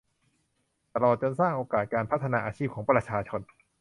ตลอดจนสร้างโอกาสการพัฒนาอาชีพของประชาชน